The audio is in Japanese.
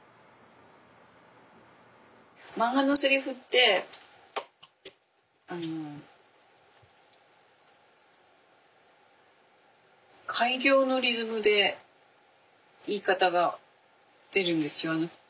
漫画のセリフってあの改行のリズムで言い方が出るんですよ。